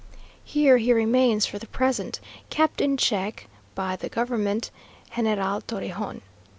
Here he remains for the present, kept in check by the (government) General Torrejon.